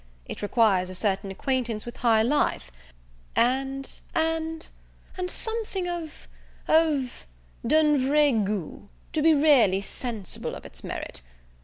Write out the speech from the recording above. It requires a certain acquaintance with high life, and and and something of of something d'un vrai gout, to be really sensible of its merit.